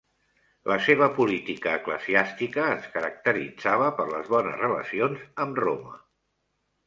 La seva política eclesiàstica es caracteritzava per les bones relacions amb Roma.